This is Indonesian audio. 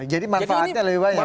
jadi manfaatnya lebih banyak